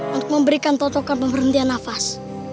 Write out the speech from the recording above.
untuk memberikan totokan pemberhentian nafas